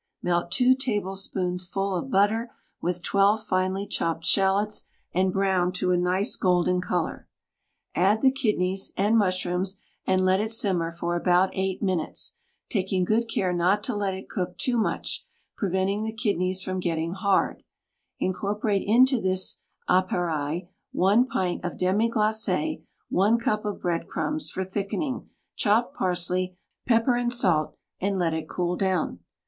Melt two tablespoonsful of butter with twelve finely chopped shallots and brown to a nice golden color. Add WRITTEN FOR MEN BY MEN the kidneys and mushrooms and let it simmer for about eight minutes, taking good care not to let it cook too much, preventing the kidneys from getting hard ; incor porate into this appareil one pint of demi glace, one cup of bread crumbs (for thickening) chopped parsley, pepper and salt, and let it cool down.